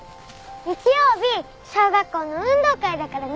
日曜日小学校の運動会だからね。